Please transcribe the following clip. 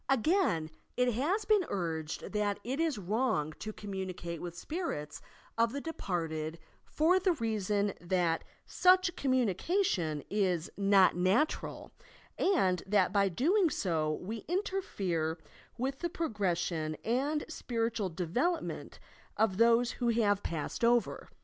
Again it has been urged that it is wrong to communi cate with spirits of the departed for the reason that L THE ETHICS OP SPIRITUALISM 295 guch commimipation U "not natural" and that by doing so we interfere with the progression and spiritual de velopment of those who have passed over.